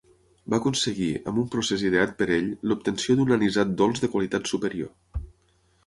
Va aconseguir, amb un procés ideat per ell, l'obtenció d’un anisat dolç de qualitat superior.